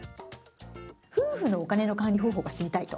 夫婦のお金の管理方法が知りたいと。